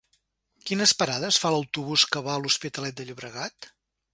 Quines parades fa l'autobús que va a l'Hospitalet de Llobregat?